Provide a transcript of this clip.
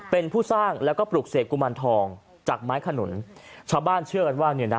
เป็นผู้สร้างแล้วก็ปลุกเสกกุมารทองจากไม้ขนุนชาวบ้านเชื่อกันว่าเนี่ยนะ